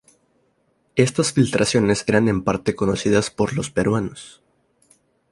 Estas filtraciones eran en parte conocidas por los peruanos.